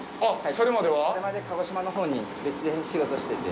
それまで鹿児島ほうに別で仕事してて。